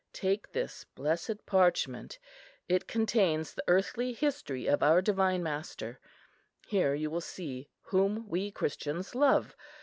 Take this blessed parchment; it contains the earthly history of our Divine Master. Here you will see whom we Christians love.